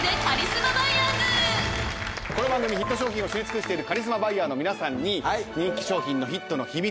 この番組ヒット商品を知り尽くしているカリスマバイヤーの皆さんに人気商品のヒットの秘密。